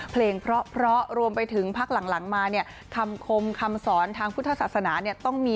เพลงเพราะรวมไปถึงพักหลังมาเนี่ยคำคมคำสอนทางพุทธศาสนาเนี่ยต้องมี